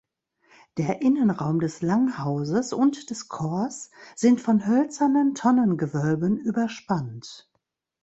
Der Innenraum des Langhauses und des Chors sind von hölzernen Tonnengewölben überspannt.